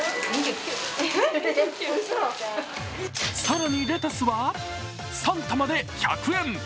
更にレタスは３玉で１００円。